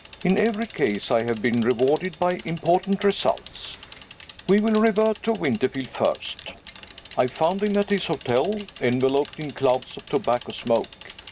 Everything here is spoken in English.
In every case I have been rewarded by important results. We will revert to Winterfield first. I found him at his hotel, enveloped in clouds of tobacco smoke.